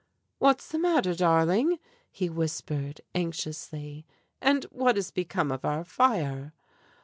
"What's the matter, darling?" he whispered, anxiously. "And what has become of our fire?"